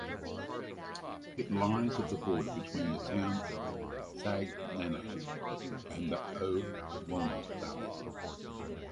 It lies at the border between the town of Fagnano and the Olona valley.